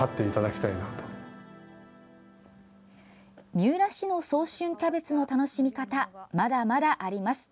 三浦市の早春キャベツの楽しみ方、まだまだあります。